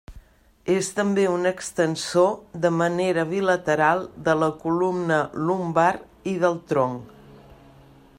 És també un extensor de manera bilateral de la columna lumbar i del tronc.